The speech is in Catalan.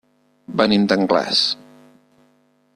Venim d'Anglès.